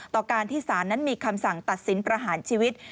ต่อการที่ศาลนั้นมีคำสั่งตัดสินประหารชีวิต